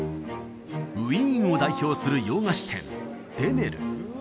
ウィーンを代表する洋菓子店デメル